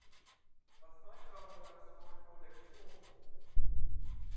Was meint Ramona zur neuen Kollektion?